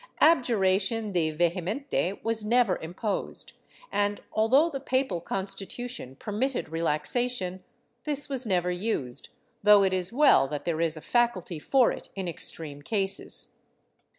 Abjuration de vchemcnti was never imposed and, although the papal constitution permitted relaxa tion, this was never used, though it is well that there is a faculty for it in extreme cases.